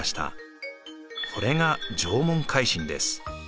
これが縄文海進です。